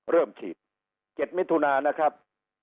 เริ่มฉีด๗มิถุนานะครับ